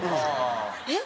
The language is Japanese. えっ！？